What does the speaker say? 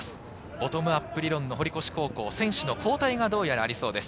ボトムアップ理論の堀越高校、選手の交代がどうやらありそうです。